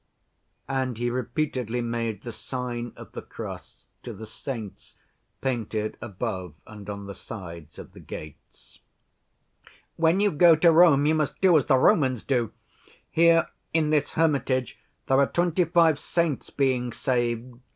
And he repeatedly made the sign of the cross to the saints painted above and on the sides of the gates. "When you go to Rome you must do as the Romans do. Here in this hermitage there are twenty‐five saints being saved.